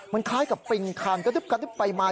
มันคล้ายกับปิงคันกระดึบไปมา